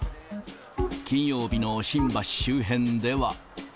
金曜日の新橋周辺では。